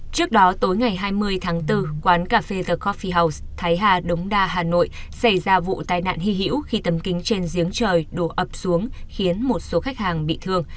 trước đó tối ngày hai mươi tháng bốn quán cà phê the corphe house thái hà đống đa hà nội xảy ra vụ tai nạn hy hữu khi tấm kính trên giếng trời đổ ập xuống khiến một số khách hàng bị thương